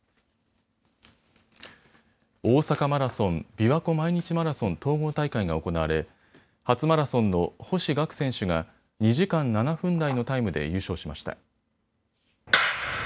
大阪マラソン・びわ湖毎日マラソン統合大会が行われ初マラソンの星岳選手が２時間７分台のタイムで優勝しました。